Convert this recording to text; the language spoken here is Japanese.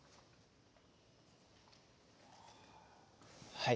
はい。